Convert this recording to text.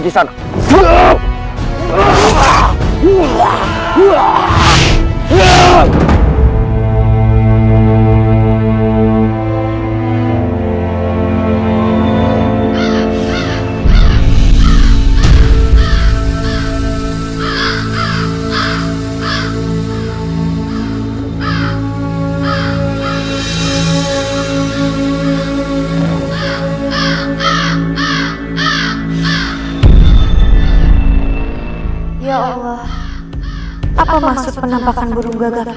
ya allah apa maksud penampakan burung gagak itu